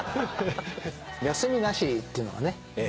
休みなしっていうのはね。